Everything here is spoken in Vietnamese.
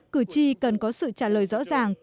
cử tri cần có sự trả lời rõ ràng